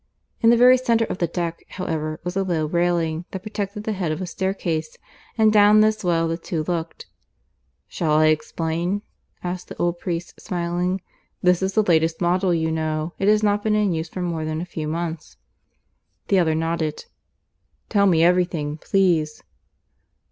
In the very centre of the deck, however, was a low railing that protected the head of a staircase, and down this well the two looked. "Shall I explain?" asked the old priest, smiling. "This is the latest model, you know. It has not been in use for more than a few months." The other nodded. "Tell me everything, please."